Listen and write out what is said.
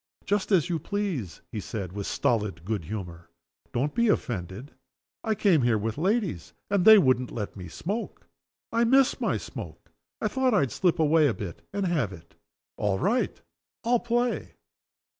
"Just as you please," he said, with stolid good humor. "Don't be offended. I came here with ladies and they wouldn't let me smoke. I miss my smoke. I thought I'd slip away a bit and have it. All right! I'll play."